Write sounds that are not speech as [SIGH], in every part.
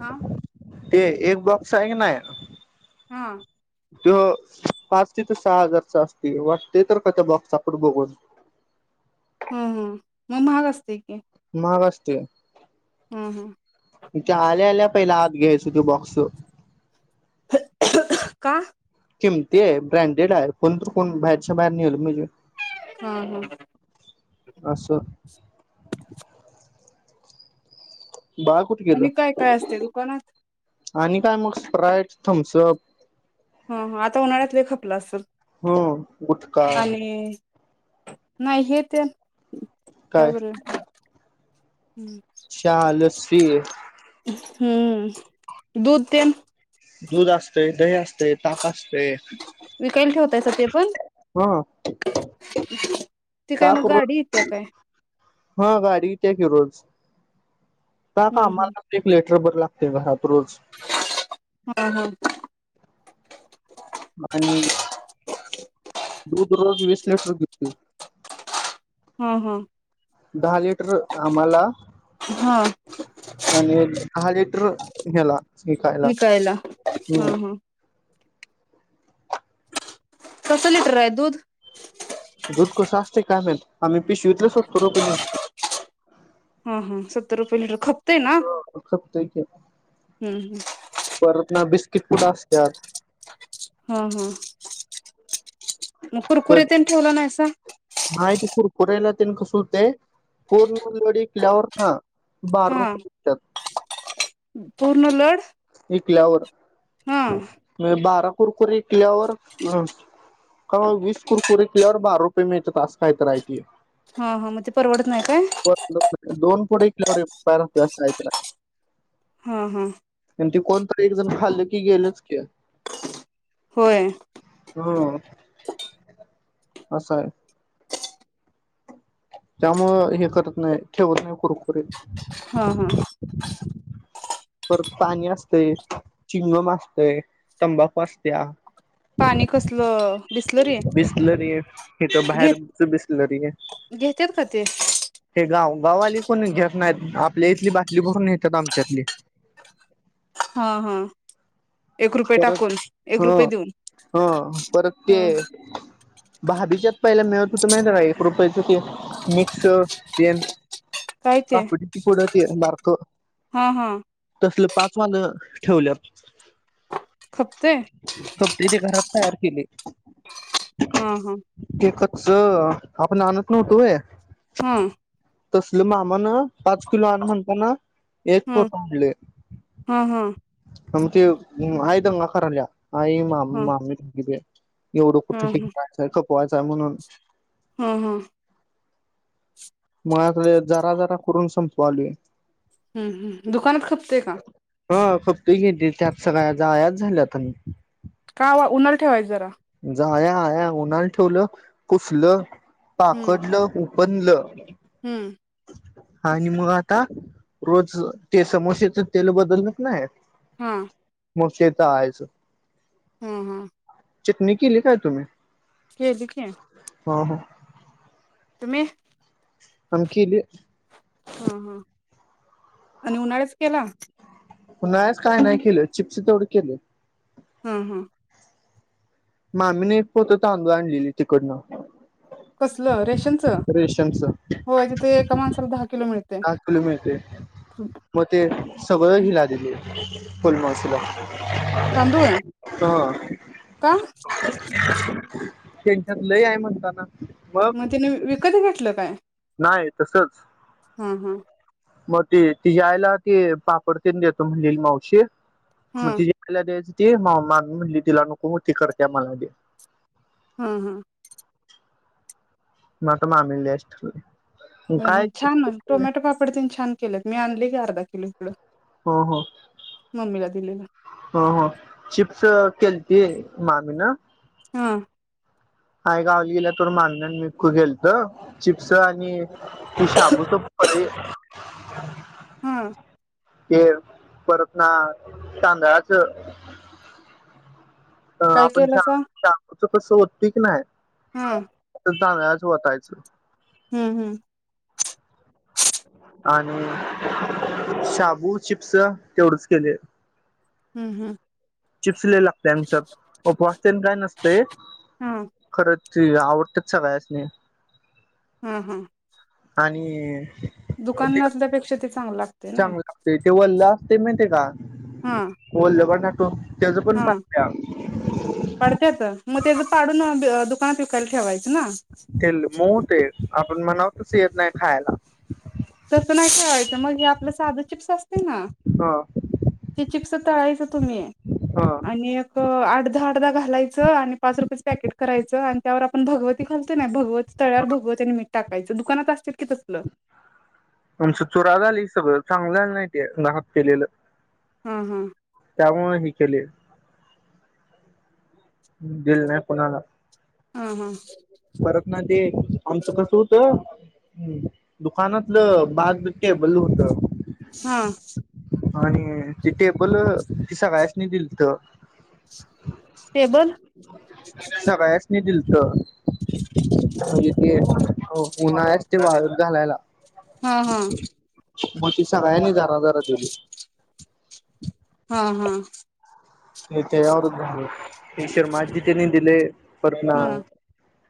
हा ते एक बॉक् स हाय का नाही हं. त पाच ते त सहा हजारचा असते, वाटते तर का त्या बॉक्सचा फोटो बघून. हं हं म महाग असते की. महाग असते. हं हं! ते आल्या, आल्या पहिल आत घ्यायच ते बॉक्स. का? किमती आहे, ब्रँडेड आहे, कोणतर कोण बाहेरच्या बाहेर नेल म्हणजे? हं हं आसं. बाळ कुठे गेलं आणि काय, काय असते दुकानात? आणि काय मग स्प्राईट, थम्सअप हं आता उन्हाळ्यात लय खपलं असल, हम्म गुटखा आणि नाही हे ते काय बरं. हम्म चहा, लस्सी. हं दुध, तेन. दूध असत, दही अस ते, ताक असतय विकायला ठेवतायसा ते पण हां. ती काय मग गाडी येत्या काय? हां गाडी येत्या कि रोज. का हम्म कामाला [UNINTELLIGIBLE] बर लागतय वं हात रोज ह हो मं आणी. दूध रोज वीस लिटर घेतोय. ह ह दहा लिटर आम्हाला हा हा लिटर न्हेला विकायला हा हा! कसं लिटर आहे दूध? दूध कस असत काय माहित, आम्ही पिशवीतलच ओपतो रोकड नेऊन. हा हा सत्तर रुपये लिटर खप खपतय की हम्म हम्म परतना बिस कित पुड असत्यात? ह ह! मग कुरकुरे तेन ठेवला नाहीस त नाही ते कुरकुरेला तेन कसं होतय [UNINTELLIGIBLE] बारा हा रुप [UNINTELLIGIBLE] विकत्यात. पूर्ण लोड कल्यावर नाय बारा कुरकुरे विकल्यावर वीस कुरकुरी विकल्यावर बारा रुपये मिळतात अस काय तर हाय ते हा हा मग ते परवडत नाही काय दोन पुढे [UNINTELLIGIBLE] हा हा ते कोण तर एक जण खाल्लं की गेलंच की होय. हो अस आहे. त्यामूळ हे करत नाय ठेवत नाय कुरकुरे हा हा परत पाणी असतय, चिंगम असतय, तंबाखू असतिया पाणी कसलं बिसलरी बिसलरी इथ घेत बाहेरच बिसलरी ये घेतात का ते हे गाव गावंवाली कोण घेत नाहीत आप आपल्या इथली बातली बरून नेत्यात आम त्यातली [INAUDIBLE] हा हा एक रुपये परत टाकून एक हा रुपये देऊन हा परत ते ह भाभीच्यात पहिला मिळत होत माहितये काय एक रुपयाच ते मिक्स टेन काय ते पापडीची पूड तेन बारक हा हा तसलं पाक झालं ठेवल्यात खपते खपतेय तेे घरात तयार केले हा हा आता कस आपण आणत नव्हतो व्हय हं तसलं मामां न पाच किलो आण म्हणताना एक हा फोट आणले. हा हा आण ते आय दंगा कराल्या आई मा हा हा मामी एवढं कुठ हा [UNINTELLIGIBLE] वाआचा म्हणून हु हु मग यातले जरा जरा करून संपुवालय हु हु दुकानात खपतय का? हो खपतय की त्यात सगळ्या जाळ्याचं झाल्यात आणि - - का वा उन्हाला ठेवायच जरा. जाळ्या आळ्या उन्हाला ठेवलं पुसलं. हम्म पाकडल उ पण ल हम्म. आणि मग आता रोज अ ते समोश्याच तेल बदलत नाय. हा. मोसे तळायचं हम् हम्. चटणी केली काय तुम्ही? केली की. हं हं. तुमी. आम्ही केलं. हा हा आणि उन्हाळ्याच केलं. उन्हाळ्याचं काय नाही केलं चिप्स तेवढ केलं. हम्म हम्. मामीने एक पोत तांदूळ आणलेली तिकंड कसलं रेशनच रेशनच होय तिथे एका माणसाला किलो मिळते दहा किलो मिळतंय. मग ते सगळं हिला दिली. पन्नाच किलो. तांदूळा का? [UNINTELLIGIBLE] त्यांच्यात लय हाय म्हणताना. मग तिने वी विकत घेतलं काय? नाही तसच. हा हा मग ती तिच्या आईला ती पापड तेन देतो म्हणलेली मावशी. हा मग तिच्या आईला द्यायचं. ते मा मामी म्हणली तिला नको ती करत्या मला दे. ह ह. मग आता मामीला द्यायचं ठरवलं. हम्म हम्म छान टोमॅटो पापड तन छान केलेत मी आणली की अर्धा किलो हिकडं ह ह मम्मीला दिलेलं ह ह चिप्स केलती मामी न हा. आय गावी गेल्यातोवर माण म खू गेलत चिप्स आणि कि साबूतो परे [INAUDIBLE] ह ते, परत ना तांदळाच अ काय आपण केलं शा शा तस होती की नाय हम्म तांदळाच ओतायचं हम्म हम्म आणि शाबु चिप्स तेवढच केले हम्म हम्म चिप्सलेला त्यांच ओप असतेय काय नसते हा खरच ती आवडतेच सगळ्यांसनी हम्म हम्म आणि दुकान नसण्यापेक्षा तिथ चांगला काम ते, ते वल्ल असतय माहते का हा वल्ल पणं तो हा पडत्यात म त्याज पाडून न दु परत विकायला ठेवायचं ना? तेल मऊ ते आप पण म्हणावतस येत नाय खायला तस नाही ठेवायचं मग हे आपलं साधं चिप्स असतय ना, हा ते चिप्स तळायच तुम्ही हा आणि एक आठ दहा त्याला घालायचं आणि पाच रुपयाच पॅकेट करायचं आणि त्यावर आपण भगवती घालतो ना भगव तळ्यावर भगवत आणि मीठ टाकायचं दुकानात असत की तसलं आमच चुरा झाली सगळं चांगलल नाय ते नाहक केलेलं हा हा त्यामुळं हि केले दिलं नाय कोणाला हा हा परत ना ते आमचं कसं होत दुकानातलं बाग केबल होत हा आणि ती टेबल ती सगळ्यांसनी नि दिलत [INAUDIBLE] सगळ्यासनी दिलत त म येते हो उन्हाळया साठी वाळत घालायला हा, हा. म ती सगळ्यांनी जरा, जरा दिली. हा हा. [UNINTELLIGIBLE] ते शर्माजी तेनी दिले परतना हा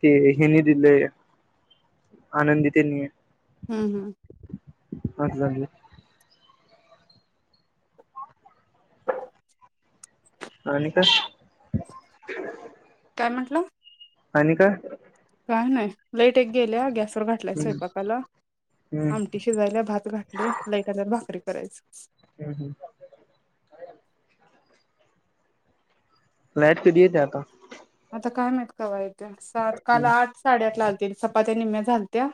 ते हेनी दिलंय आनंदीतेनी हुं हुं! [UNINTELLIGIBLE] आणि काय? काय म्हटलं? आणि काय? काय नाही लाईट एक गेलिया गॅस करू घाटलाय हम्म स्वयंपाकाला हम्म आमटी शिजायल्या, भात घाटले, लाईट आल्यावर भाकरी करायच हुं हुं! लाईट कदि येतीया आता? आता काय माहीत कवा येतीया. सात काल हम्म आठ, साडेआठला आलती. ते चपात्या निम्म्या झालत्या.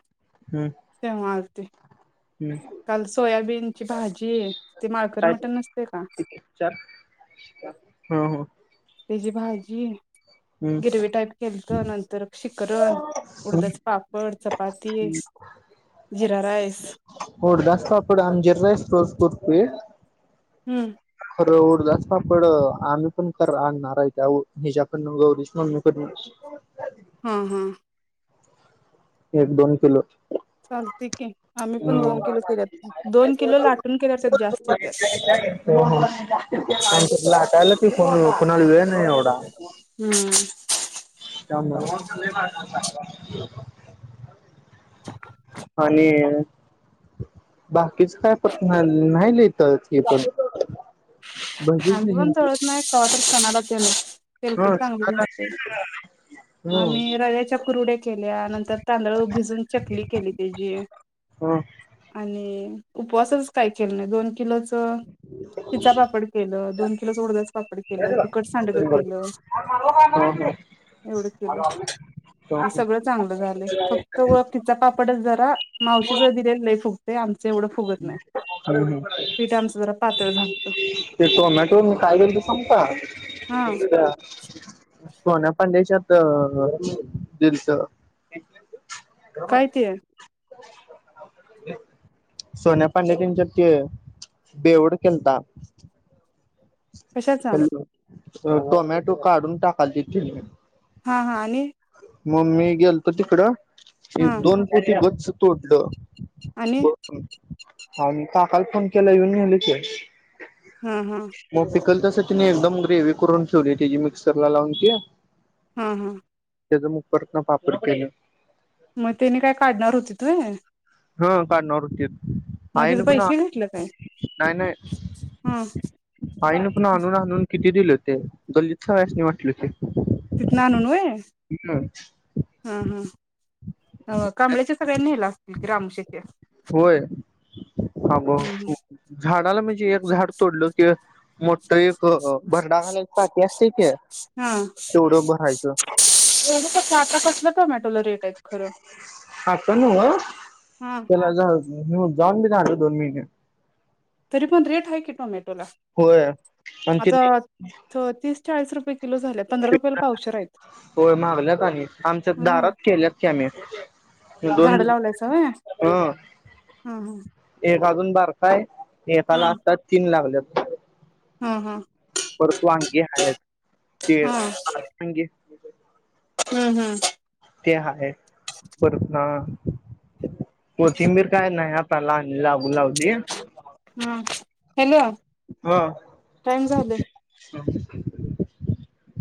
हम्म तेंव्हा. हम्म [INAUDIBLE] काल सोयाबीनची भाजी, ते माळकरी काय मटण नसतय का? चार ह ह तेजी भाजी हम्म गिरवी टाईप केलत नंतर शिकरण, उडदाच पापड, चपाती, जिरा राईस होय हुं. खरं उडदाच पापड, आम्ही पण कर आणणार आहे त्या उ हेच्या गौरीच मम्मीकडन हूं हूं! एक, दोन किलो चालतय की आम्ही पण दोन किलो केल्यात, दोन किलो लाटून केल्यावर आस जास्त हो त्यात हो कुणाला वेळ नाही एवढा हुं [UNINTELLIGIBLE] आणि बाकीच काय नाही, नाही, लई तळत ही पण भजीच आम्ही नाही पण तळत नाही कवा तर सणाला त्याला. तेलकट ह चांगलं नसतय आम्ही रव्याच्या कुरुड्या केल्या नंतर तांदळ भिजून, चकली केली त्याची ह आणि उपवासच काय केलं नाही दोन किलोच त खिचा पापड केलं दोन किलोचं उडदाचं पा पड केलं, तिकट सांडगं केलं एवढ केलं. सगळ चांगलं झालंय फक्त [UNINTELLIGIBLE] पापडच जरा [UNINTELLIGIBLE] मावशीच दिलेलं लई फू ते आम चं एवढं फुगत नाही पिठ आमच जरा पातळ झालतं ते टोमॅटो काय केलतं सांगु का हा त्या - - सोन्यापांडेच्यात दिलतं. काय ते? [INAUDIBLE] सोन्या पांडे त्यांच्यात ते बेऊड केलता. कशाचा हॅलो. टोमॅटो काढून टाकालतीतं तीनि. हा हा आणि म मी गेलतो तिकडं हा एक दोन पोती गच्च तोटलं. आणि आणि काकाला फोन केल्यावर येउन नेलं की हम हम. [UNINTELLIGIBLE] साठी एकदम ग्रेवी करून ठेवली त्याजी मिक्सरला लावून ती हम्म हम्म. त्याचा मुग परत ना पापड केलं. म तेनी काय काढणार होतीत व्हयं? हम काढणार व्हतीत. त्याचं आईनं पण आ पैसे घेतलं काय नाही हा नाही. आईनं पणं आणुन आणुन - - किती दिलं ते गल्लीत सगळ्यासनी वाटलं की. तिथनं आणून व्हय, हम्म हम्म हो कांबळ्याच्या सगळ्यांनी नेलं असलकी. रामशेट्ट्या होय. हांब हम्म हम्म झाडाला म्हणजे एक झाड तोडलं कि मो हा एवढच की कसं आता तेवढं कसं भरायचं - - [UNINTELLIGIBLE] आता नव्ह हा त्याला झा - - मग जाऊन बी जाहीलं दोन महिने तरी पण रेट हाय की टोमॅ बोला होय आणि आता तिने त तीस चाळीस रुपये किलो झाले पंधरा रुपयाला पावशेर आहेत. होय महागलेत आणि आमच्या हम्म दारात केल्यात की [UNINTELLIGIBLE] आम्ही दोन झाड लावलायच होय ह हम्म एक. भााजून बार काय? एकाला असतात तीन लागल्यात. हा हा. परत वांगी आहेत ते [UNINTELLIGIBLE] हम्म हम्म. ते हाय परत अ. कोथिंबीर काय नाही. प्लांट- [UNINTELLIGIBLE] लागून लावलीय. हम्म हॅलो. हा. टाइम झाले. [INAUDIBLE]